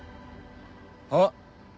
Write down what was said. あっ。